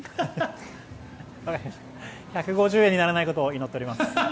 １５０円にならないことを祈っております。